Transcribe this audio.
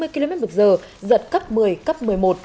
hai mươi km một giờ giật cấp một mươi cấp một mươi một